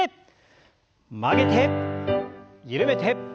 曲げて緩めて。